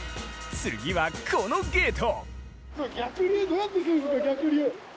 次は、このゲート！